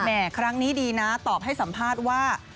ครั้งนี้ดีนะตอบให้สัมภาษณ์ว่า